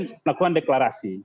nasdem lakukan deklarasi